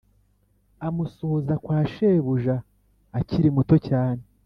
amusohoza kwa shebuja akiri muto cyane.